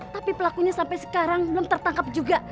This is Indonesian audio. tapi pelakunya sampai sekarang belum tertangkap juga